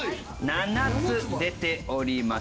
７つ出ております。